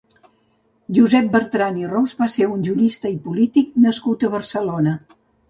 Josep Bertran i Ros va ser un jurista i polític nascut a Barcelona.